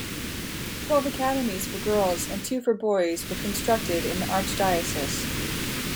Twelve academies for girls and two for boys were constructed in the archdiocese.